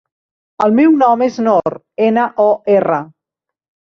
El meu nom és Nor: ena, o, erra.